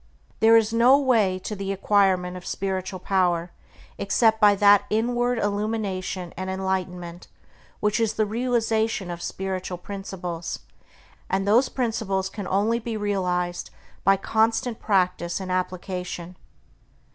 There is no way to the acquirement of spiritual power except by that inward illumination and enlightenment which is the realization of spiritual principles; and those principles can only be realized by constant practice and application.